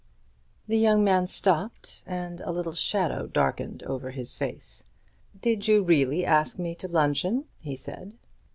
The young man stopped, and a little shadow darkened over his face. "Did you really ask me to luncheon?" he said.